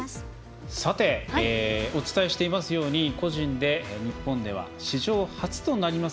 お伝えしていますように個人で日本では史上初となります